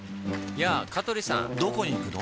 やぁ香取さんどこに行くの？